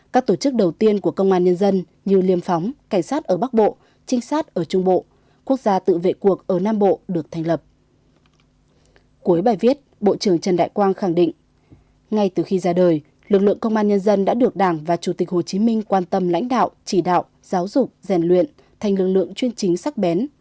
các tổ chức đầu tiên của công an nhân dân như liêm phóng cảnh sát ở bắc bộ trinh sát ở trung bộ quốc gia tự vệ cuộc ở nam bộ được thành lập